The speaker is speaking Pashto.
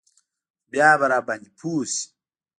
بيا به راباندې پوه سي.